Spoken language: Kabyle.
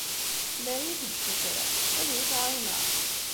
Mer i ak-d-ssutreɣ, ad iyi-tɛawneḍ?